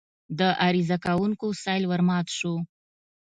د عریضه کوونکو سېل ورمات شو.